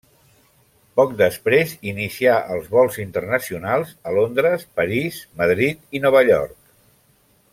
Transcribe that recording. Poc després inicià els vols internacionals a Londres, París, Madrid i Nova York.